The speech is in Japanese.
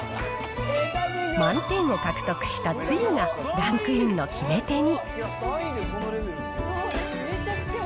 満点を獲得したつゆがランクインの決め手に。